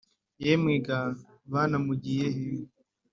Yemwe ga bana mugiye he